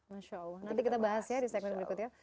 masya allah nanti kita bahas ya di segmen berikutnya